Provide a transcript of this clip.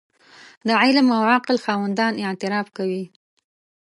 د علم او عقل خاوندان اعتراف کوي.